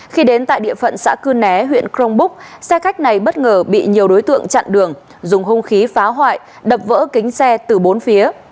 khi đến tại địa phận xã cư né huyện crong búc xe khách này bất ngờ bị nhiều đối tượng chặn đường dùng hung khí phá hoại đập vỡ kính xe từ bốn phía